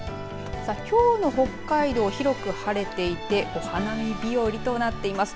きょうの北海道、広く晴れていてお花見日和となっています。